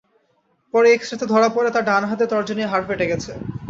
পরে এক্স-রেতে ধরা পড়ে তাঁর ডান হাতের তর্জনীর হাড় ফেটে গেছে।